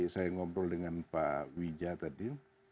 saya ngobrol dengan pak wija tadi